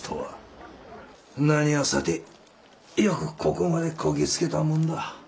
何はさてよくここまでこぎつけたものだ。